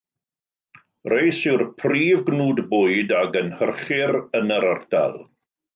Reis yw'r prif gnwd bwyd a gynhyrchir yn yr ardal.